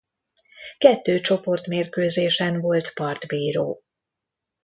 Kettő csoportmérkőzésen volt partbíró.